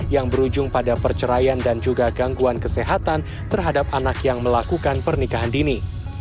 yang berujung pada perceraian dan juga gangguan kesehatan terhadap anak yang melakukan pernikahan dini